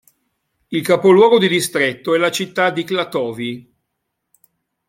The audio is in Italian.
Il capoluogo di distretto è la città di Klatovy.